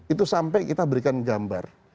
itu sampai kita berikan gambar